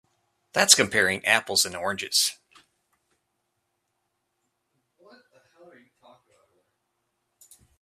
That's comparing apples and oranges.